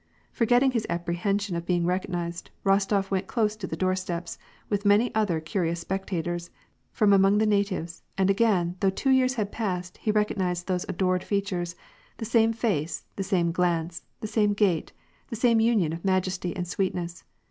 Forgetting his apprehen sion of being recognized, Eostof went close to the doorsteps, with many other curious spectators, from among the natives, and again, though two years had passed, he recognized those adored features, the same face, the same glance, the same gait, the same union of majesty and sweetness.